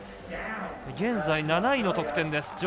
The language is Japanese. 現在７位の得点です。